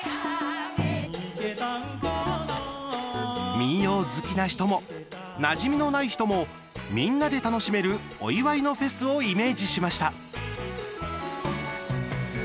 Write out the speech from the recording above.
民謡好きな人もなじみのない人もみんなで楽しめるお祝いのフェスをイメージしました。